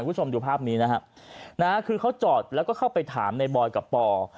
คุณผู้ชมดูภาพนี้นะฮะคือเขาจอดแล้วก็เข้าไปถามในบอยกับปอ